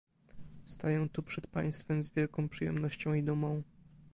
Staję tu przed Państwem z wielką przyjemnością i dumą